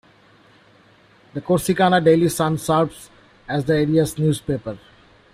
The Corsicana Daily Sun serves as the area's newspaper.